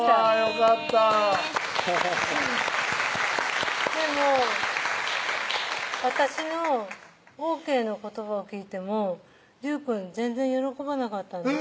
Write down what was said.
よかったでも私のＯＫの言葉を聞いても隆くん全然喜ばなかったんです